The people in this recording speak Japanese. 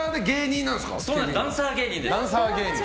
ダンサー芸人です。